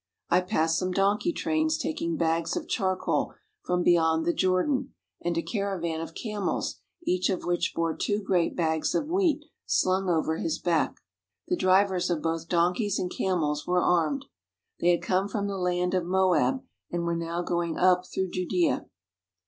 I passed some donkey trains taking bags of charcoal from beyond the Jordan, and a caravan of camels each of which bore two great bags of wheat slung over his back. The drivers of both donkeys and camels were armed. They had come from the land of Moab, and were now going up through Judea.